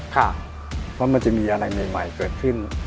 เพราะมันจะมีอะไรใหม่เกิดขึ้น